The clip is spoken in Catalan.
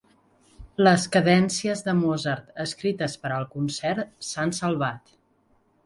Les cadències de Mozart escrites per al concert s'han salvat.